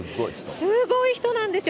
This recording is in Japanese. すごい人なんですよ。